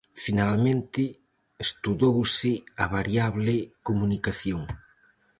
Finalmente, estudouse a variable comunicación.